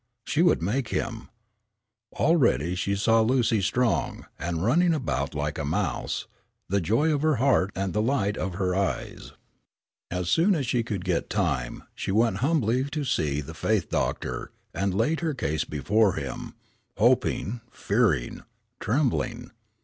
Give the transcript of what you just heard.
She would make him. Already she saw Lucy strong, and running about like a mouse, the joy of her heart and the light of her eyes. As soon as she could get time she went humbly to see the faith doctor, and laid her case before him, hoping, fearing, trembling.